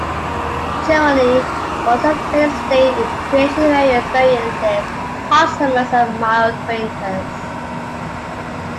Generally, Folsom Lake State Recreation Area experiences hot summers and mild winters.